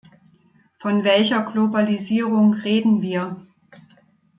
Von welcher Globalisierung reden wir?